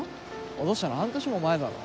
落としたの半年も前だろ。